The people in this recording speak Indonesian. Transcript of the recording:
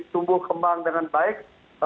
tumbuh kembang dengan baik